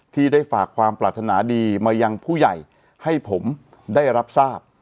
ที่ได้ฝากความปรารถนาดีมายังผู้ใหญ่ให้ผมได้รับทราบ